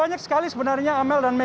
dan juga menuntunnya vatayanku